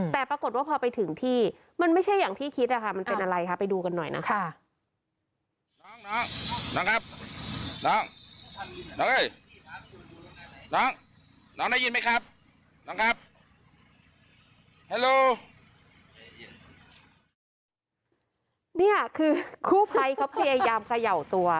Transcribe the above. แต่ปรากฏว่าพอไปถึงที่มันไม่ใช่อย่างที่คิดนะคะมันเป็นอะไรคะไปดูกันหน่อยนะคะ